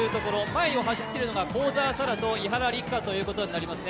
前を走っているのが幸澤沙良と伊原六花ということになります。